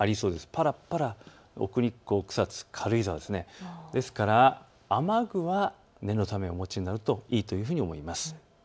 ぱらぱらと奥日光、草津、軽井沢、ですから雨具は念のためお持ちになるといいと思います。